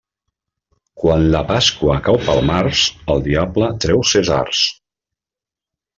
Quan la Pasqua cau pel març, el diable treu ses arts.